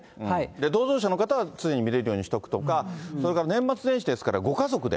同乗者の方は常に見れるようにしておくとか、それから年末年始ですから、ご家族で、